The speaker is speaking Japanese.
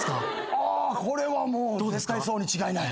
あこれはもう絶対そうに違いない。